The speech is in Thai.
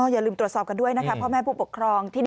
อย่าลืมตรวจสอบกันด้วยนะคะพ่อแม่ผู้ปกครอง